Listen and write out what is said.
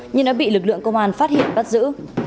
nhưng đã bị lực lượng công an phát hiện bắt giữ